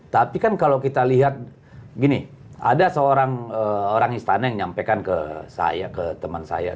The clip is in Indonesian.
tapi kan kalau kita lihat gini ada seorang istana yang menyampaikan ke saya ke teman saya